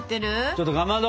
ちょっとかまど！